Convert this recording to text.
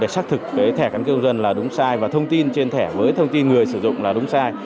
xác thực cái thẻ căn cước công dân là đúng sai và thông tin trên thẻ với thông tin người sử dụng là đúng sai